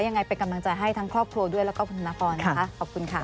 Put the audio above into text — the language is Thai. ยังไงเป็นกำลังใจให้ทั้งครอบครัวด้วยแล้วก็คุณธนพรนะคะขอบคุณค่ะ